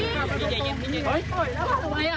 มันเกิดเหตุเป็นเหตุที่บ้านกลัว